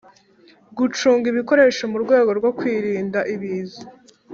gucunga ibikoresho mu rwego rwo kwirinda Ibiza